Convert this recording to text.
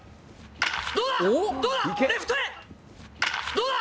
どうだ？